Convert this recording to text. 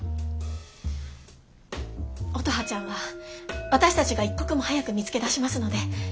乙葉ちゃんは私たちが一刻も早く見つけ出しますので。